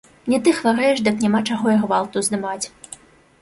Не ты хварэеш, дык няма чаго і гвалт уздымаць.